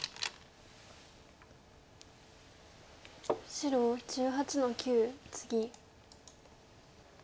白１８の九ツギ。